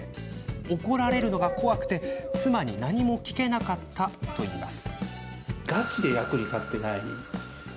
怒られるのが怖くて妻に何も聞けなかったといいます。